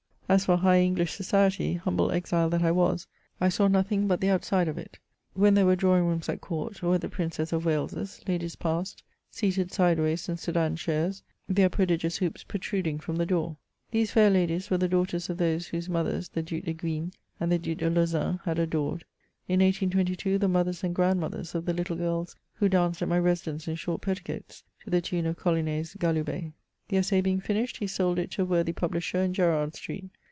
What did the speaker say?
'^As for high £nglish society, humble exile that I was, * I saw nothing but the outside of it. When there were drawing rooms at Court, or at the Princess of Wales's, ladies passed, seated sideways in sedan chairs, their prodigious hoops protruding from the door. These fair ladies were the daughters of those whose mothers the Duke de Guines and the Duke de Lauzun had adored, in 1822 the mothers and grandmothers of the little girls who danced at my residence in short petticoats to the tune of CoUinet's galoubet.^' The Essai being finished, he sold it to a worthy publisher in Gerrard Street.